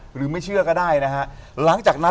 หรือไม่เชื่อก็ได้นะฮะ